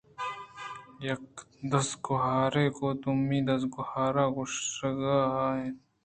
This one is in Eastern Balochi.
یک دزگْوھارے گوں دومی دزگْوھار ءَ گْوشگ ءَ اَت